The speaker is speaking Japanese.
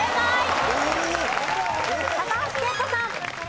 高橋惠子さん。